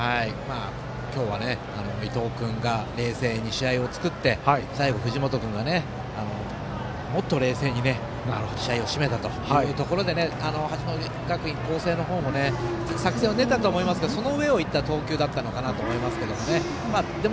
今日は伊藤君が冷静に試合を作って最後、藤本君が、もっと冷静に試合を締めたというところで八戸学院光星の方も作戦はあったと思うんですけどその上をいった投球だったのかなと思いますね。